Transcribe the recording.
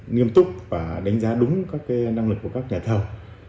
nghiêm túc và đánh giá đúng các năng lực của các nhà thầu